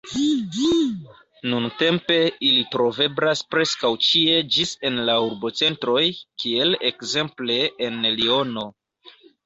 Nuntempe ili troveblas preskaŭ ĉie ĝis en la urbocentroj, kiel ekzemple en Liono.